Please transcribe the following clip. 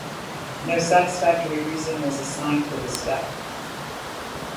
No satisfactory reason was assigned for this step.